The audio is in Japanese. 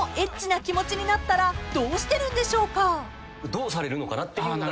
どうされるのかなっていうのが。